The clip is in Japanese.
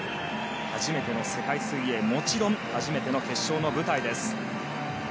初めての世界水泳もちろん初めての決勝の舞台です。